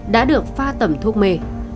đã được pha tẩm thuốc mê